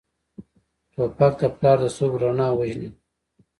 توپک د پلار د سترګو رڼا وژني.